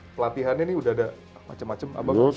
pelatihannya ini udah ada macam macam abang